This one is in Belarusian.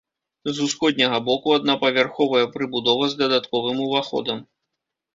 З усходняга боку аднапавярховая прыбудова з дадатковым уваходам.